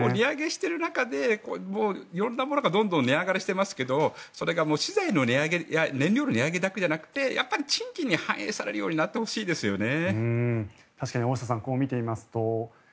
やっぱり色んなものがどんどん値上がりしているけどそれが資材や燃料の値上げだけじゃなくてやっぱり賃金に反映されるようになってほしいですよね。